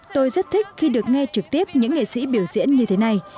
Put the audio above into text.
tôi rất thích khi được nghe trực tiếp những nghệ sĩ biểu diễn như thế này